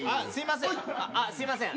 あっすいません。